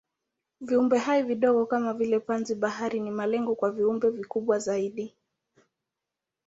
Viumbehai vidogo kama vile panzi-bahari ni malengo kwa viumbe vikubwa zaidi.